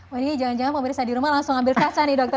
wah ini jangan jangan pemirsa di rumah langsung ambil kaca nih dokter